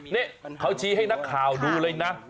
นี่เขาชี้ให้นักข่าวดูเลยนะ